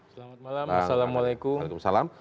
selamat malam assalamualaikum